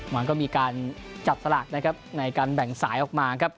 มันก็มีการจับสลากนะครับในการแบ่งสายออกมาครับ